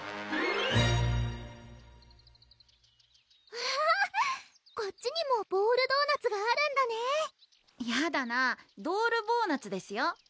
わぁこっちにもボールドーナツがあるんだねぇやだなぁドールボーナツですよ